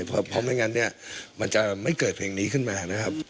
เพราะไม่งั้นเนี่ยมันจะไม่เกิดเพลงนี้ขึ้นมานะครับ